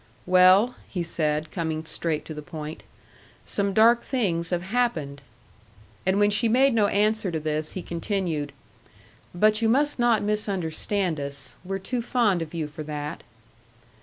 "Well," he said, coming straight to the point, "some dark things have happened." And when she made no answer to this, he continued: "But you must not misunderstand us. We're too fond of you for that."